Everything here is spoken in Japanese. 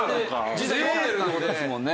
実際読んでるって事ですもんね。